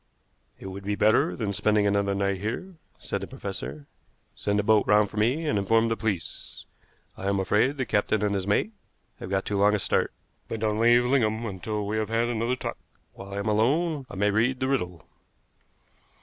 "It would be better than spending another night here," said the professor. "Send a boat round for me, and inform the police. I am afraid the captain and his mate have got too long a start; but don't leave Lingham until we have had another talk. While I am alone I may read the riddle."